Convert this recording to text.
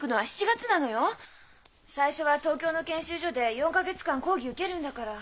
最初は東京の研修所で４か月間講義を受けるんだから。